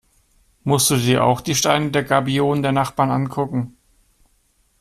Musst du dir auch die Steine der Gabionen der Nachbarn angucken?